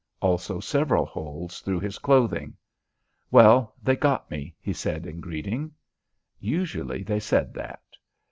Also, several holes through his clothing. "Well, they got me," he said in greeting. Usually they said that.